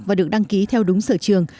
và được đăng ký theo đúng sở trường